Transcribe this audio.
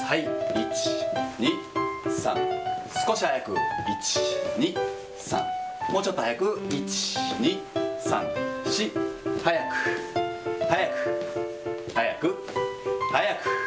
１、２、３、少し速く、１、２、３、もうちょっと速く、１、２、３、４、速く、速く、速く、速く。